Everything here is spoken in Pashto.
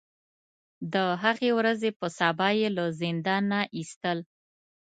د هغې ورځې په سبا یې له زندان نه ایستل.